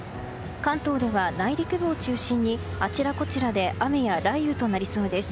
関東では内陸部を中心にあちらこちらで雨や雷雨となりそうです。